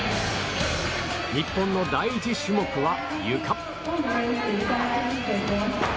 日本の第１種目はゆか。